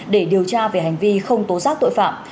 để điều tra về hành vi không tố giác tội phạm